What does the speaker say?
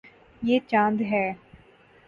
یے چاند ہے